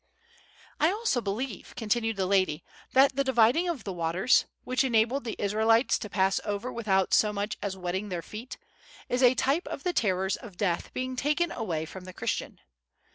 "I also believe," continued the lady, "that the dividing of the waters, which enabled the Israelites to pass over without so much as wetting their feet, is a type of the terrors of death being taken away from the Christian.